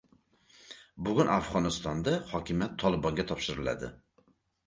Bugun Afg‘onistonda hokimiyat "Tolibon"ga topshiriladi